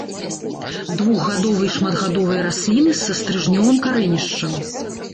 Двухгадовыя і шматгадовыя расліны са стрыжнёвым карэнішчам.